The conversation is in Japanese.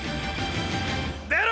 出ろ！！